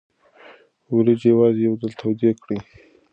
وریجې یوازې یو ځل تودې کړئ.